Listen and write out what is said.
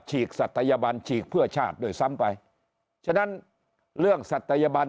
ฉีกทรัพยาบาลฉีกเพื่อชาติโดยซ้ำไปฉะนั้นเรื่องศัตรยบัน